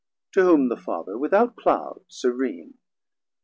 To whom the Father, without Cloud, serene.